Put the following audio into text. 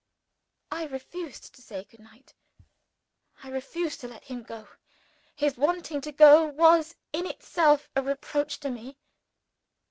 I refused to say good night I refused to let him go. His wanting to go was in itself a reproach to me.